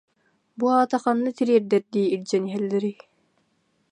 Бу аата ханна тириэрдэрдии илдьэн иһэллэрий